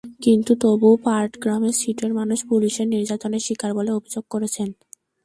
কিন্তু তবুও পাটগ্রামের ছিটের মানুষ পুলিশের নির্যাতনের শিকার বলে অভিযোগ করেছেন।